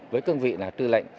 với công vị là tư lệ